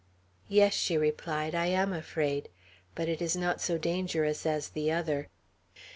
"Yes," she replied, "I am afraid. But it is not so dangerous as the other."